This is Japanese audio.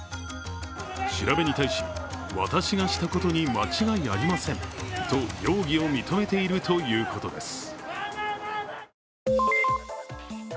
調べに対し、私がしたことに間違いありませんと容疑を認めているということです。